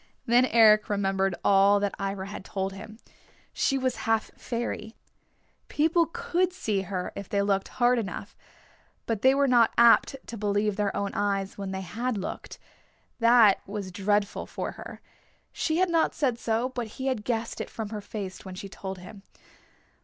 Then Eric remembered all that Ivra had told him. She was half fairy. People could see her if they looked hard enough. But they were not apt to believe their own eyes when they had looked. That was dreadful for her. She had not said so, but he had guessed it from her face when she told him.